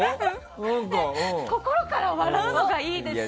心から笑うのがいいですって。